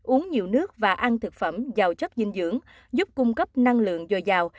uống nhiều nước và ăn thực phẩm giàu chất dinh dưỡng giúp cung cấp năng lượng dồi dào